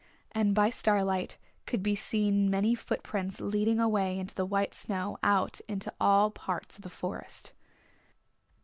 And by starlight could be seen many footprints leading away in the white snow out into all parts of the Forest.